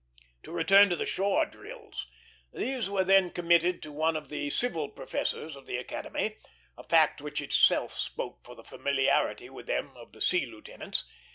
To return to the shore drills: these were then committed to one of the civil professors of the Academy, a fact which itself spoke for the familiarity with them of the sea lieutenants.